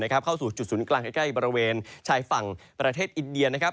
เข้าสู่จุดศูนย์กลางใกล้บริเวณชายฝั่งประเทศอินเดียนะครับ